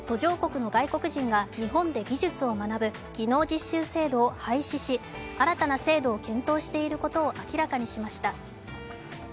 政府の有識者会議は昨日、途上国の外国人が日本で技術を学ぶ技能実習制度を廃止し、新たな制度を検討していることを明らかにしました。